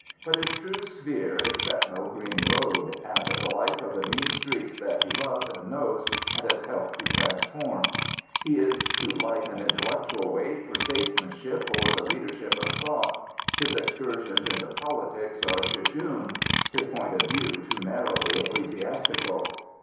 But his true sphere is Bethnal Green Road, and the life of the mean streets that he loves and knows and has helped to transform. He is too light an intellectual weight for statesman ship or the leadership of thought. His excursions into politics are jejune, his point of view too narrowly ecclesiastical.